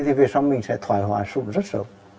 thì về sau mình sẽ thoải hóa sụn rất sớm